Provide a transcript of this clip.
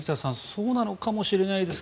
そうなのかもしれないです